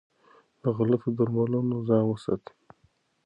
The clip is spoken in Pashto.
له غلطو درملنو ځان وساته.